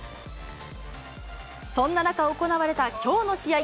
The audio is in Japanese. そんな中、行われたきょうの試合。